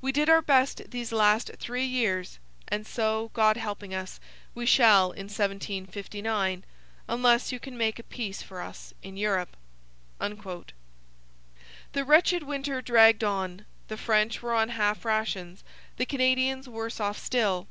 We did our best these last three years; and so, God helping us, we shall in 1759 unless you can make a peace for us in Europe.' The wretched winter dragged on. The French were on half rations, the Canadians worse off still.